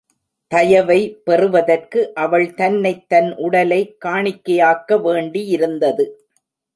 தயவை பெறுவதற்கு அவள் தன்னை தன் உடலை காணிக்கையாக்க வேண்டியிருந்தது.